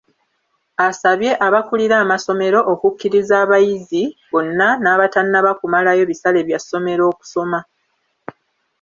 Asabye abakulira amasomero okukkiriza abayizi bonna n’abatannaba kumalayo bisale bya ssomero okusoma.